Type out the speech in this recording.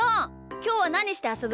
きょうはなにしてあそぶ？